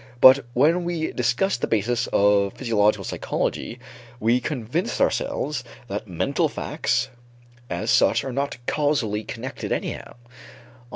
But when we discussed the basis of physiological psychology, we convinced ourselves that mental facts as such are not causally connected anyhow.